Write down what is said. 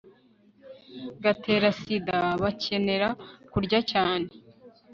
gatera sida bakenera kurya cyane